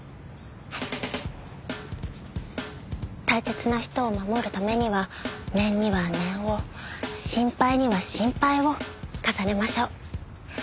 大切な人を守るためには念には念を心配には心配を重ねましょう。